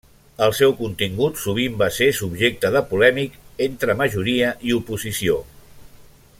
El seu contingut sovint va ser subjecte de polèmic entre majoria i oposició.